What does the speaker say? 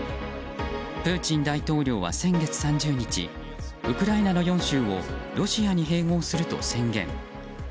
プーチン大統領は先月３０日ウクライナの４州をロシアに併合すると宣言。